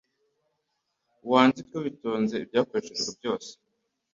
Wandike witonze ibyakoreshejwe byose.